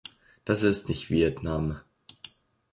Das ist nicht Vietnam.